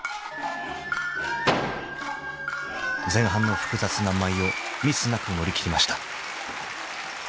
［前半の複雑な舞をミスなく乗り切りました］